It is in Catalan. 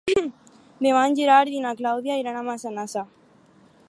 Demà en Gerard i na Clàudia iran a Massanassa.